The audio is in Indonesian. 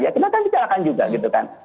ya kita kan tidak akan juga gitu kan